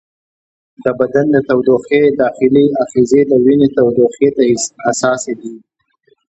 د بدن د تودوخې داخلي آخذې د وینې تودوخې ته حساسې دي.